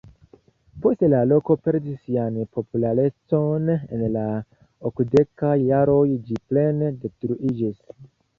Poste la loko perdis sian popularecon, en la okdekaj jaroj ĝi plene detruiĝis.